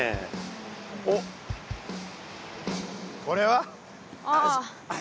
おっこれは？ああ。